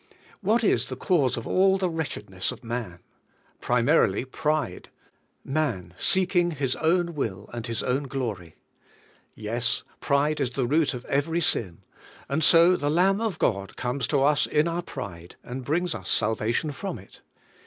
What is the cause of all the wretchedness of man? Primarily pride; man seeking his own will and his own glory. Yes, pride is the root of every sin, and so the Lamb of God comes to us in our pride, and brings us salvation from it.